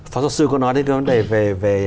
phó giáo sư có nói đến cái vấn đề về